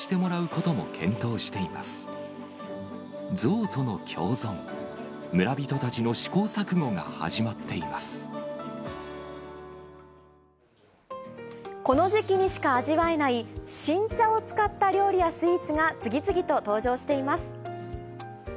この時期にしか味わえない新茶を使った料理やスイーツが次々と登場しています。